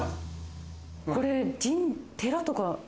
これ寺とか。